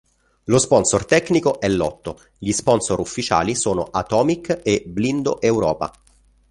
Lo sponsor tecnico è Lotto, gli sponsor ufficiali sono "Atomic" e "Blindo Europa".